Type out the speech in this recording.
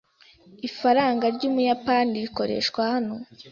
Ifaranga ry'Ubuyapani rikoreshwa hano.